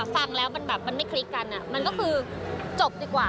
ฟังแล้วมันแบบมันไม่คลิกกันมันก็คือจบดีกว่า